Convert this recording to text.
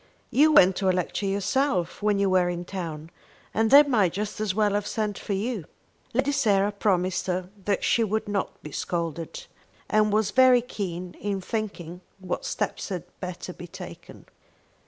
You went to a lecture yourself when you were in town, and they might just as well have sent for you." Lady Sarah promised her that she should not be scolded, and was very keen in thinking what steps had better be taken.